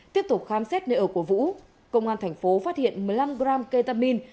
tiếp tục khám xét nơi ở của vũ công an thành phố phát hiện một mươi năm g ketamine